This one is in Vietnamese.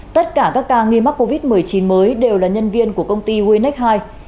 tất cả các ca nghi mắc covid một mươi chín mới đều là nhân viên của công ty guinec i